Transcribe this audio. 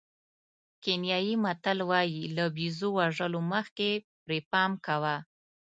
کینیايي متل وایي له بېزو وژلو مخکې پرې پام کوه.